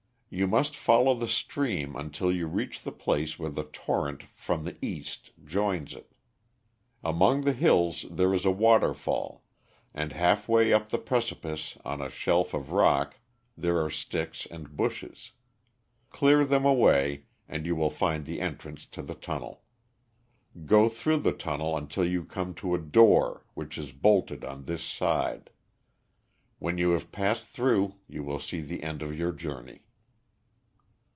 You must follow the stream until you reach the place where the torrent from the east joins it. Among the hills there is a waterfall, and halfway up the precipice on a shelf of rock there are sticks and bushes. Clear them away, and you will find the entrance to the tunnel. Go through the tunnel until you come to a door, which is bolted on this side. When you have passed through, you will see the end of your journey."